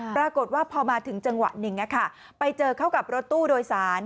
ปรากฏว่าพอมาถึงจังหวะหนึ่งไปเจอเข้ากับรถตู้โดยสาร